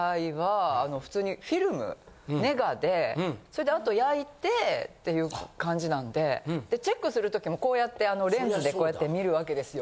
ネガでそれであと焼いてっていう感じなのででチェックする時もこうやってあのレンズでこうやって見るわけですよ。